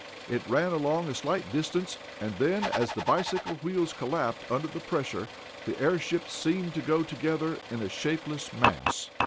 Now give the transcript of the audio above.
It ran along a slight distance, and then, as the bicycle wheels collapsed under the pressure, the airship seemed to go together in a shapeless mass.